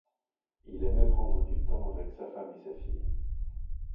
Il aimait prendre du temps avec sa femme et sa fille.